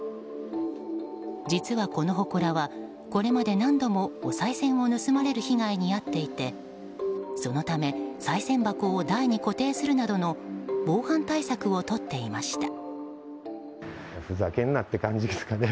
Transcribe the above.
実は、このほこらはこれまで何度もおさい銭を盗まれる被害に遭っていてそのため、さい銭箱を台に固定するなどの防犯対策をとっていました。